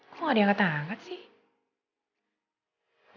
kok nggak diangkat angkat sih